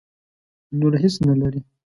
نور هېڅ نه لري.